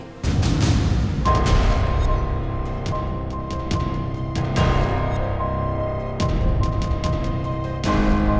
bayi siapa itu ri